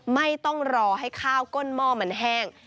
ไม่ต้องรอให้ข้าวก้นหม้อมันแห้ง